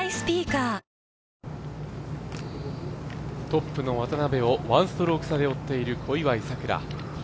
トップの渡邉を１ストローク差で追っている小祝さくら。